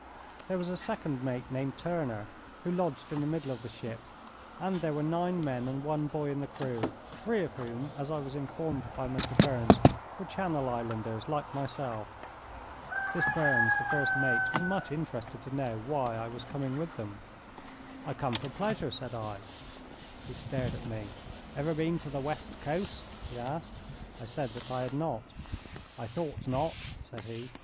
There was a second mate named Turner, who lodged in the middle of the ship, and there were nine men and one boy in the crew, three of whom, as I was informed by Mr. Burns, were Channel Islanders like myself. This Burns, the first mate, was much interested to know why I was coming with them. "I come for pleasure," said I. He stared at me. "Ever been to the West Coast?" he asked. I said that I had not. "I thought not," said he.